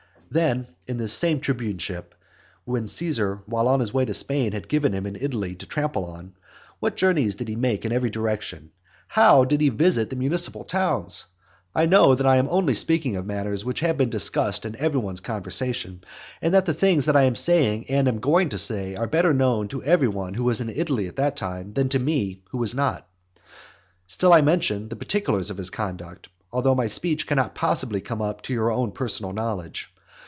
Then in this same tribuneship, when Caesar while on his way into Spain had given him Italy to trample on, what journeys did he make in every direction! how did he visit the municipal towns! I know that I am only speaking of matters which have been discussed in every one's conversation, and that the things which I am saying and am going to say are better known to every one who was in Italy at that time, than to me, who was not. Still I mention the particulars of his conduct, although my speech cannot possibly come up to your own personal knowledge.